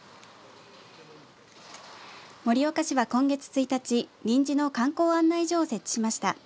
盛岡市は今月１日臨時の観光案内所を設置しました。